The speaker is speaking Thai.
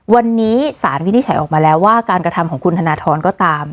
วันนี้สารวินิจฉัยออกมาแล้วว่าการกระทำของคุณธนทรก็ตาม